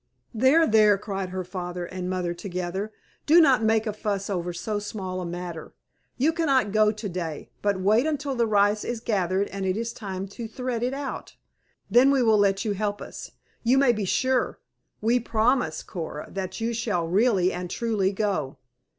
"There, there!" cried her father and mother together, "do not make a fuss over so small a matter. You cannot go to day; but wait until the rice is gathered and it is time to tread it out. Then we will let you help us, you may be sure. We promise, Coora, that you shall really and truly go."